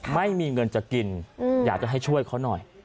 ไม่มีเงินจะกินอยากจะให้ช่วยเขาหน่อย